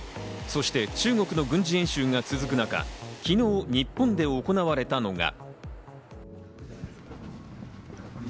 そして中国の軍事演習が続く中、昨日、日本で行われたのが。